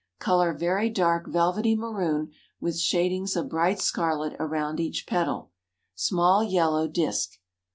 Color very dark velvety maroon with shadings of bright scarlet around each petal; small yellow disk.